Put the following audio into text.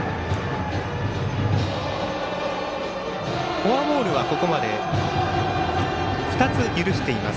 フォアボールはここまで２つ許しています